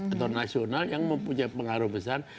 atau nasional yang mempunyai pengaruh besar